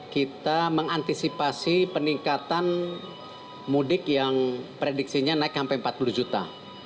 kita mengantisipasi peningkatan mudik yang prediksinya naik sampai empat puluh juta